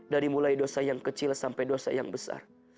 dari mulai dosa yang kecil sampai dosa yang besar